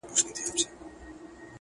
زۀ خداى ساتلمه چي نۀ راپرېوتم او تلمه،